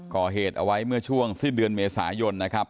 ก่อเหตุเอาไว้เมื่อช่วงสิ้นเดือนเมษายนนะครับ